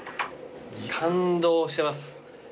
感動してます。